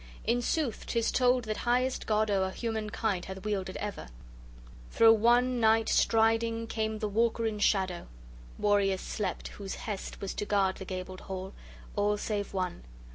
In sooth 'tis told that highest God o'er human kind hath wielded ever! Thro' wan night striding, came the walker in shadow. Warriors slept whose hest was to guard the gabled hall, all save one.